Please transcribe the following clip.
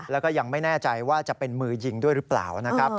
แล้วก็ยังไม่แน่ใจว่าจะเป็นมือยิงด้วยหรือเปล่านะครับ